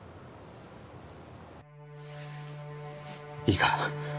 いいか？